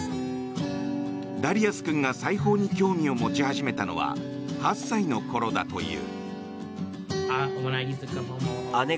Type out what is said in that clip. ダリアス君が裁縫に興味を持ち始めたのは８歳のころだという。